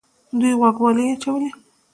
دوی غوږوالۍ اچولې